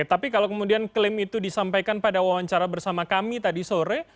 tapi kalau kemudian klaim itu disampaikan pada wawancara bersama kami tadi sore